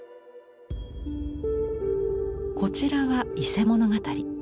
こちらは「伊勢物語」。